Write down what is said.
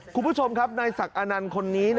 คุณผู้ชมครับนายศักดิ์อานันต์คนนี้